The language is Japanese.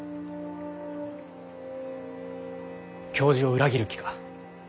教授を裏切る気か？